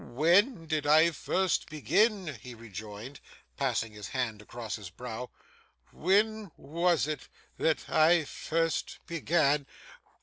'When did I first begin?' he rejoined, passing his hand across his brow. 'When was it, that I first began?